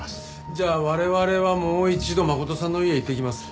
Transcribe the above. じゃあ我々はもう一度真琴さんの家へ行ってきます。